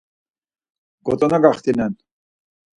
Gotzonagaxtinen.